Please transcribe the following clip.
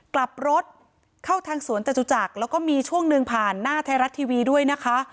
กลับรถเข้าทางสวนจตุจักรแล้วก็มีช่วงหนึ่งผ่านหน้าไทยรัฐทีวีด้วยนะคะ